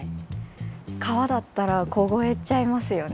川だったら凍えちゃいますよね。